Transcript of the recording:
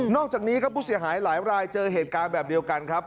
อกจากนี้ครับผู้เสียหายหลายรายเจอเหตุการณ์แบบเดียวกันครับ